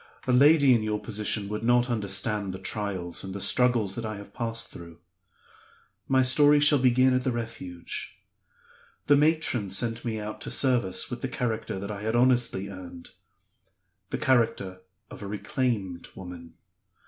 "A lady in your position would not understand the trials and the struggles that I have passed through. My story shall begin at the Refuge. The matron sent me out to service with the character that I had honestly earned the character of a reclaimed woman.